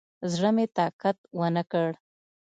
زړه مې طاقت ونکړ.